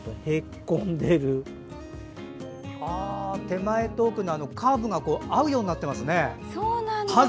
手前と奥のカーブが合うようになってますね。